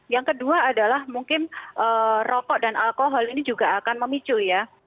yang kedua adalah mungkin rokok dan alkohol ini juga akan memicu ya